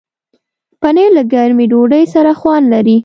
پنېر له ګرمې ډوډۍ سره خوند لري.